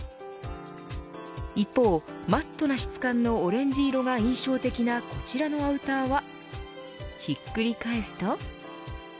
一方、マットな質感のオレンジ色が印象的なこちらのアウターはひっくり返すと。